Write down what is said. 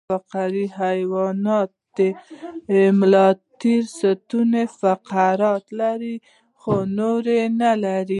فقاریه حیوانات د ملا تیر یا ستون فقرات لري خو نور یې نلري